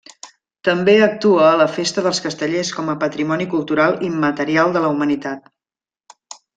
També actua a la festa dels castellers com a Patrimoni cultural immaterial de la Humanitat.